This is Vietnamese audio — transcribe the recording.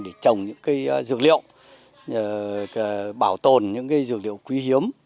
để trồng những cây dược liệu bảo tồn những cây dược liệu quý hiếm